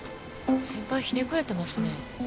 先輩ひねくれてますね。